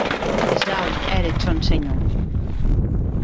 E quin tresau ère eth sòn, senhor?